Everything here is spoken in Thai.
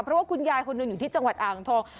เพราะว่าคุณยายคนหนึ่งอยู่ที่จังหวัดอ่างทอง